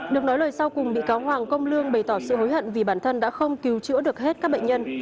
được nói lời sau cùng bị cáo hoàng công lương bày tỏ sự hối hận vì bản thân đã không cứu chữa được hết các bệnh nhân